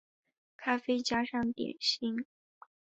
咖啡加上点心